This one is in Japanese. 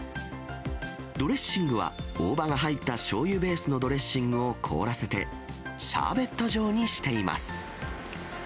ドレッシングは、大葉が入ったしょうゆベースのドレッシングを凍らせて、シャーベット状にしています。